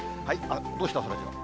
どうした、そらジロー。